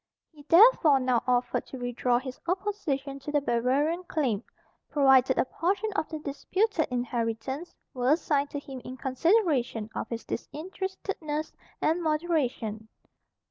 He therefore now offered to withdraw his opposition to the Bavarian claim, provided a portion of the disputed inheritance were assigned to him in consideration of his disinterestedness and moderation.